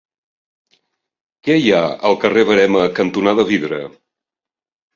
Què hi ha al carrer Verema cantonada Vidre?